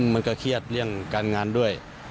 มันก็เครียดเรื่องการงานด้วย